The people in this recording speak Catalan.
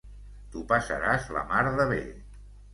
T'ho passaràs la mar de bé.